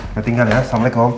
nanti kan ya assalamualaikum om